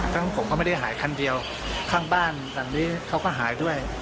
ครั้งผมเขาไม่ได้หายครั้งเดียวข้างบ้านตอนนี้เขาก็หายด้วย